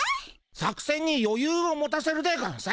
作せんによゆうを持たせるでゴンス。